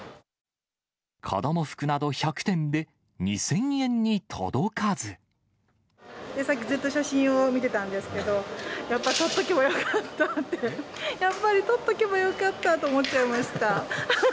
子ども服など１００点で、さっきずっと写真を見てたんですけど、やっぱり取っとけばよかったって、やっぱり取っとけばよかったと思っちゃいました。